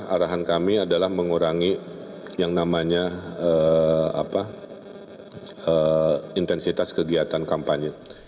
arahan kami adalah mengurangi yang namanya intensitas kegiatan kampanye